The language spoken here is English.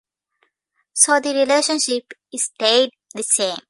So the relationship stayed the same.